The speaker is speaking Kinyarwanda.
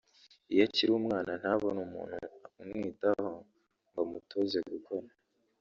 Iyo akiri umwana ntabone umuntu umwitaho ngo amutoze gukora